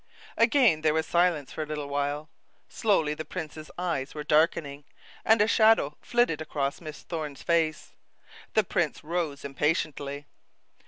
Again there was silence for a little while. Slowly the prince's eyes were darkening, and a shadow flitted across Miss Thorne's face. The prince rose impatiently.